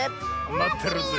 まってるよ！